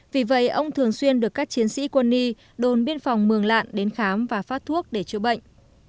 vì vậy ông thường xuyên được các chiến sĩ quân y đồn biên phòng mường lạn đến khám và phát thuốc để chữa bệnh